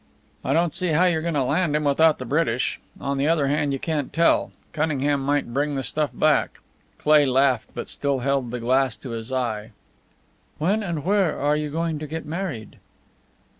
"I don't see how you're going to land him without the British. On the other hand, you can't tell. Cunningham might bring the stuff back." Cleigh laughed, but still held the glass to his eye. "When and where are you going to get married?"